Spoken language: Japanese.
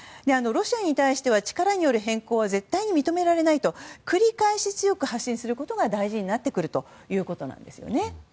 ロシアに対しては力による変更は絶対に認められないと繰り返し、強く発信することが大事になってくるとこなんです。